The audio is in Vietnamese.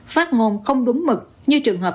phát ngôn không đúng mực như trường hợp